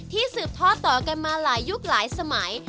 สืบท่อต่อกันมาหลายยุคหลายสมัย